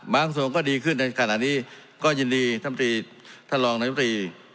บางส่วนก็ดีขึ้นในขณะนี้ก็ยินดีท่านมตรีท่านรองนัยมตรี